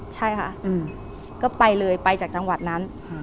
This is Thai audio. ใช่ค่ะก็ไปเลยไปจากจังหวัดนั้น